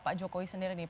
bapak jokowi sendiri nih